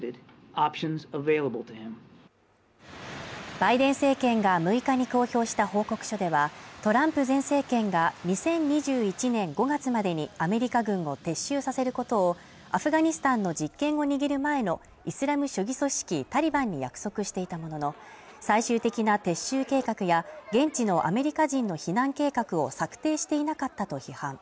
バイデン政権が６日に公表した報告書では、トランプ前政権が２０２１年５月までにアメリカ軍を撤収させることをアフガニスタンの実権を握る前のイスラム主義組織タリバンに約束していたものの最終的な撤収計画や現地のアメリカ人の避難計画を策定していなかったと批判。